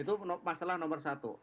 itu masalah nomor satu